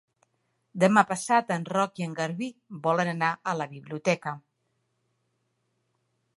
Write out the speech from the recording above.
Demà passat en Roc i en Garbí volen anar a la biblioteca.